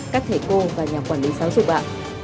các thầy cô và nhà quản lý giáo dục bạn